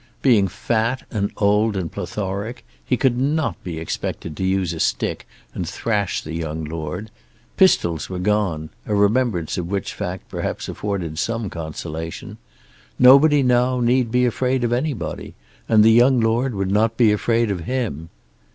Being fat and old and plethoric he could not be expected to use a stick and thrash the young lord. Pistols were gone, a remembrance of which fact perhaps afforded some consolation. Nobody now need be afraid of anybody, and the young lord would not be afraid of him.